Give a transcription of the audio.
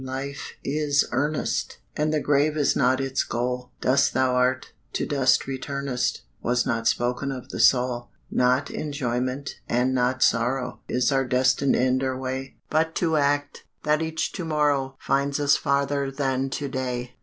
Life is earnest! And the grave is not its goal; Dust thou art, to dust returnest, Was not spoken of the soul. Not enjoyment, and not sorrow, Is our destined end or way; But to act, that each to morrow Find us farther than to day.